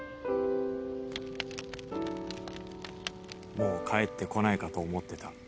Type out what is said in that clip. もう帰ってこないかと思ってた。